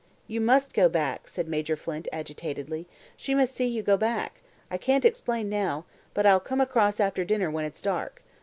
"You must go back," said Major Flint agitatedly. "She must see you go back. I can't explain now. But I'll come across after dinner when it's dark.